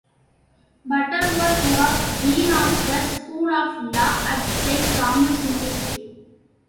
Butterworth was dean of the School of Law at Saint Thomas University.